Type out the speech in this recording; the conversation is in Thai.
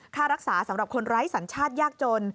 ค่ารักษาสำหรับคนไร้สัญชาติยากจน